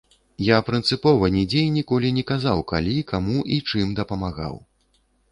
Я прынцыпова нідзе і ніколі не казаў, калі, каму і чым дапамагаў.